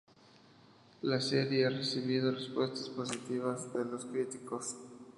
La serie ha recibido respuestas positivas de los críticos.